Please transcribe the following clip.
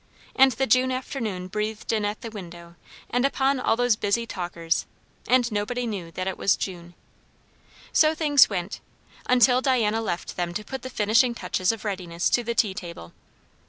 And the June afternoon breathed in at the window and upon all those busy talkers; and nobody knew that it was June. So things went, until Diana left them to put the finishing touches of readiness to the tea table.